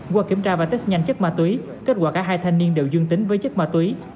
qua kiểm tra và test nhanh chất ma túy kết quả cả hai thanh niên đều dương tính với chất ma túy